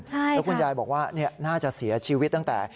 แล้วคุณยายบอกว่าน่าจะเสียชีวิตตั้งแต่